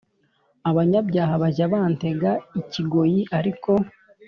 Abanyabyaha bajya bantega ikigoyi Ariko